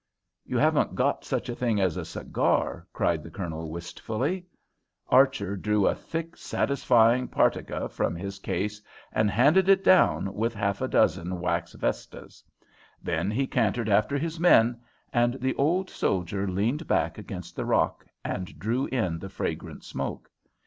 "You haven't got such a thing as a cigar?" asked the Colonel, wistfully. [Illustration: You haven't got such a thing as a cigar p253] Archer drew a thick satisfying partaga from his case and handed it down, with half a dozen wax vestas. Then he cantered after his men, and the old soldier leaned back against the rock and drew in the fragrant smoke.